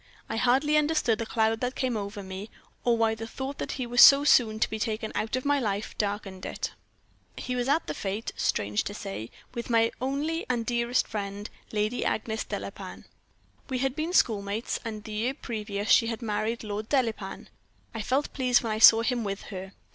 I hardly understood the cloud that came over me, or why the thought that he was so soon to be taken out of my life darkened it. "He was at the fete, strange to say, with my only and dearest friend, Lady Agnes Delapain. We had been schoolmates, and the year previous she had married Lord Delapain. I felt pleased when I saw him with her.